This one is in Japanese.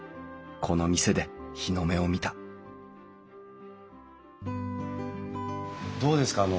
この店で日の目を見たどうですか？